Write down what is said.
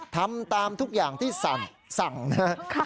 ทำตามทุกอย่างที่สั่งนะครับ